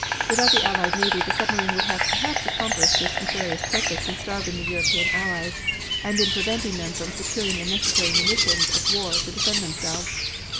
Without the allied navy the submarine would have perhaps accomplished its nefarious purpose in starving the European allies and in preventing them from securing the necessary munitions of war to defend themselves.